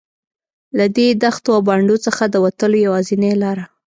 له دې دښتو او بانډو څخه د وتلو یوازینۍ لاره.